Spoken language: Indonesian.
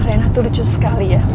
rena tuh lucu sekali ya